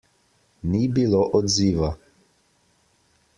Ni bilo odziva.